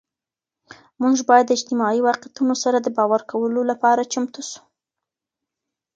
مونږ باید د اجتماعي واقعیتونو سره د باور کولو لپاره چمتو سو.